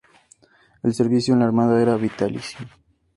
El servicio en la Armada era vitalicio.